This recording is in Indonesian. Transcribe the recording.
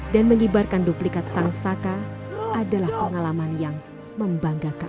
dan mengibarkan duplikat sang saka adalah pengalaman yang membanggakan